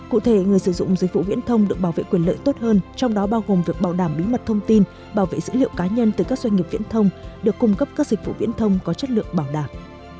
cụ thể người sử dụng dịch vụ viễn thông được bảo vệ quyền lợi tốt hơn trong đó bao gồm việc bảo đảm bí mật thông tin bảo vệ dữ liệu cá nhân từ các doanh nghiệp viễn thông được cung cấp các dịch vụ viễn thông có chất lượng bảo đảm